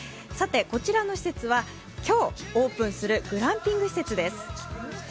こちらの施設は今日オープンするグランピング施設です。